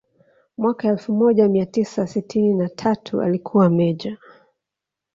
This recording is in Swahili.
Mwaka elfu moja mia tisa sitini na tatu alikuwa meja